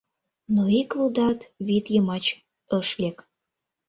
но ик лудат вӱд йымач ыш лек.